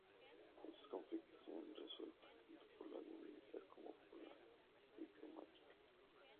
Estos conflictos se han resuelto tanto por la vía militar como por la diplomática.